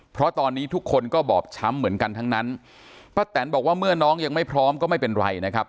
เพราะตอนนี้ทุกคนก็บอบช้ำเหมือนกันทั้งนั้นป้าแตนบอกว่าเมื่อน้องยังไม่พร้อมก็ไม่เป็นไรนะครับ